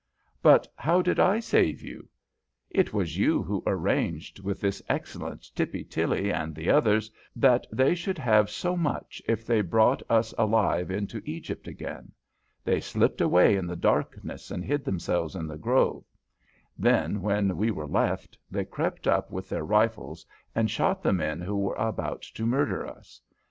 "But how did I save you?" "It was you who arranged with this excellent Tippy Tilly and the others that they should have so much if they brought us alive into Egypt again. They slipped away in the darkness and hid themselves in the grove. Then, when we were left, they crept up with their rifles and shot the men who were about to murder us.